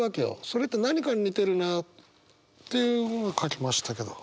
それって何かに似てるなっていうもの書きましたけど。